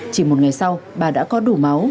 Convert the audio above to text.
chỉ một ngày sau bà đã có đủ máu